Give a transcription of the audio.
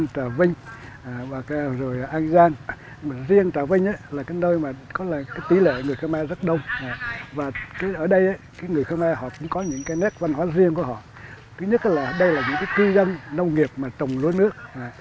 thứ nhất là đây là những cư dân nông nghiệp mà trồng lối nước